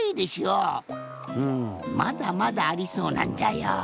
うんまだまだありそうなんじゃよ。